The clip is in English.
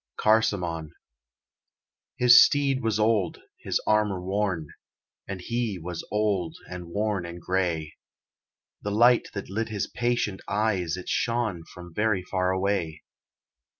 CARÇAMON His steed was old, his armor worn, And he was old and worn and gray: The light that lit his patient eyes It shone from very far away.